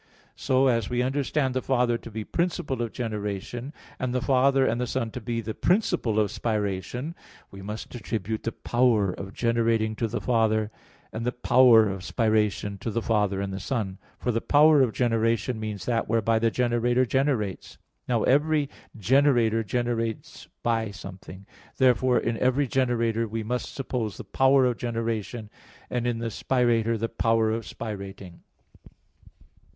So, as we understand the Father to be principle of generation; and the Father and the Son to be the principle of spiration, we must attribute the power of generating to the Father, and the power of spiration to the Father and the Son; for the power of generation means that whereby the generator generates. Now every generator generates by something. Therefore in every generator we must suppose the power of generating, and in the spirator the power of spirating.